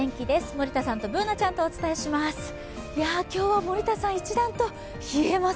森田さんとＢｏｏｎａちゃんとお伝えします。